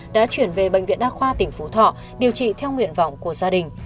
đã chuyển về bệnh viện đa khoa tỉnh phú thọ điều trị theo nguyện vọng của gia đình